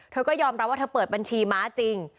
เธอก็ยอมรับว่าเธอเปิดบัญชีม้าจริง